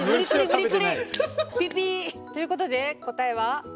ピッピー！ということで答えは？